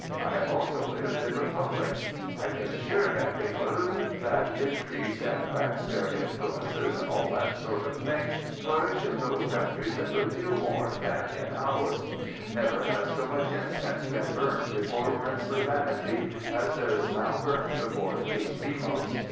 I have also lived in Republics. I can assure Herr Bebel that intrigues and backstair influences and all that sort of thing flourish in those countries a good deal more than in ours. Never has so much incense been burned before princely vanity as there is now burnt before King Demos.